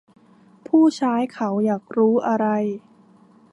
ผู้ใช้เขาอยากรู้อะไร